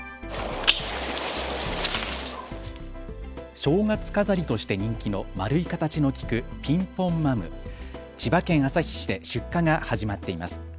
正月飾りとして人気の丸い形の菊ピンポンマム、千葉県旭市で出荷が始まっています。